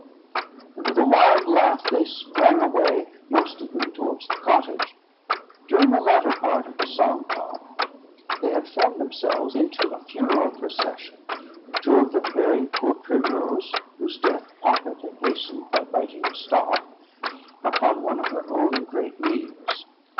And with a wild laugh they sprang away, most of them towards the cottage. During the latter part of the song talk, they had formed themselves into a funeral procession, two of them bearing poor Primrose, whose death Pocket had hastened by biting her stalk, upon one of her own great leaves.